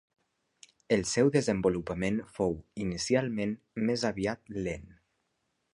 El seu desenvolupament fou, inicialment, més aviat lent.